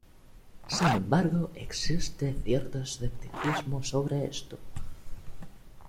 Sin embargo, existe cierto escepticismo sobre esto.